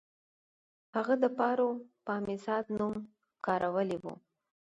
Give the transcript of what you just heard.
هغه د پاروپامیزاد نوم کارولی و